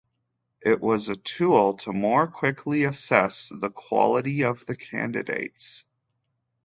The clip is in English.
It was a tool to more quickly assess the quality of the candidates.